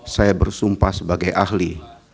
saya bersumpah sebagai ahli